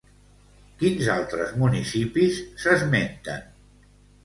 Quins altres municipis s'esmenten?